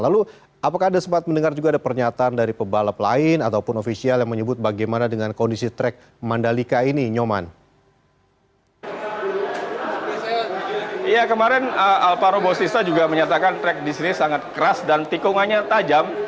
ya kemarin alvaro bostista juga menyatakan track disini sangat keras dan tikungannya tajam